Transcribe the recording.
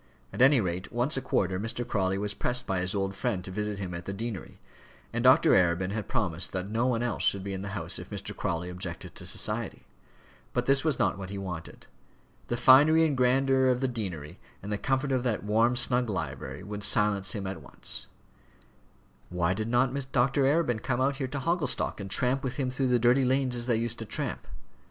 At any rate once a quarter Mr. Crawley was pressed by his old friend to visit him at the deanery, and Dr. Arabin had promised that no one else should be in the house if Mr. Crawley objected to society. But this was not what he wanted. The finery and grandeur of the deanery, and the comfort of that warm, snug library, would silence him at once. Why did not Dr. Arabin come out there to Hogglestock, and tramp with him through the dirty lanes as they used to tramp?